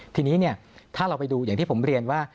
ทีนี้ถ้าเราไปดูอย่างที่ผมเรียนว่า